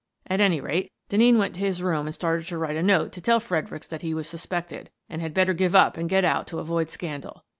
At any rate, Denneen went to his room and started to write a note to tell Fredericks that he was suspected, and had better give up and get out to avoid scandal.